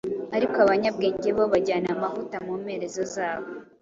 ariko abanyabwenge bo bajyana amavuta mu mperezozabo.